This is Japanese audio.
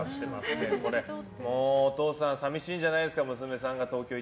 お父さん寂しいんじゃないですか？